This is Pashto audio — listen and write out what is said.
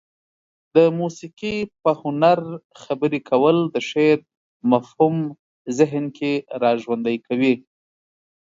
د موسيقي په هنر خبرې کول د شعر مفهوم ذهن کې را ژوندى کوي.